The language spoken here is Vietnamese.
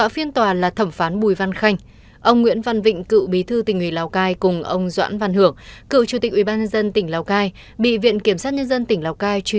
phiên tòa dự kiến kéo dài một mươi ngày